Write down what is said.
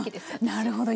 なるほど。